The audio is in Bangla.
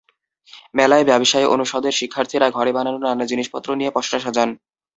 মেলায় ব্যবসায় অনুষদের শিক্ষার্থীরা ঘরে বানানো নানা জিনিসপত্র নিয়ে পসরা সাজান।